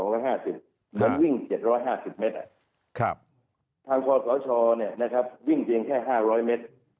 มันวิ่ง๗๕๐เมตรทางพลเกาะชอวิ่งเกียงแค่๕๐๐เมตร